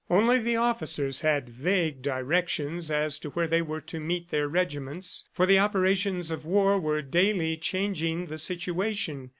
Only the officers had vague directions as to where they were to meet their regiments, for the operations of war were daily changing the situation.